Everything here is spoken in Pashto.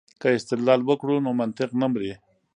که استدلال وکړو نو منطق نه مري.